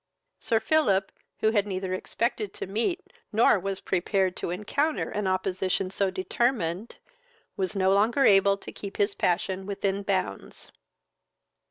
Sir Philip, who had neither expected to meet nor was prepared to encounter an opposition so determined, was no longer able to keep his passion within bounds.